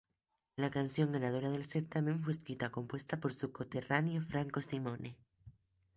La canción ganadora del certamen fue escrita compuesta por su coterráneo, Franco Simone.